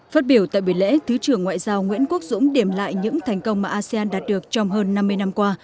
phát biểu tại buổi lễ thứ trưởng ngoại giao nguyễn quốc dũng điểm lại những thành công mà asean đạt được trong hơn năm mươi năm qua